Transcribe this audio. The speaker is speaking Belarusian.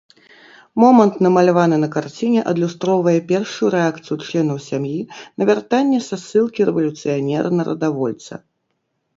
Момант, намаляваны на карціне, адлюстроўвае першую рэакцыю членаў сям'і на вяртанне са ссылкі рэвалюцыянера-нарадавольца.